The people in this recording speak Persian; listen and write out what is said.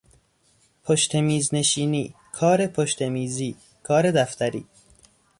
پشت میز نشینی، کار پشت میزی، کار دفتری